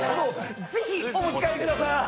ぜひお持ち帰りくださーい！